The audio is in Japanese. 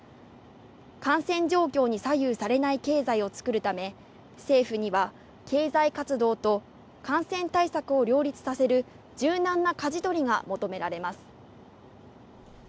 感染状況に左右されない経済をつくるため、政府には経済活動と感染対策を両立させる柔軟なかじ取りが求められます。